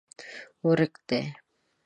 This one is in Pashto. ورک دي